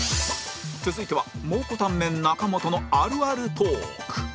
続いては蒙古タンメン中本のあるあるトーク